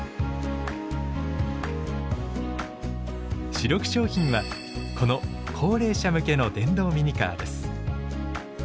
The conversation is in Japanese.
主力商品はこの高齢者向けの電動ミニカーです。